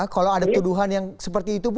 kalau ada tuduhan yang seperti itu bu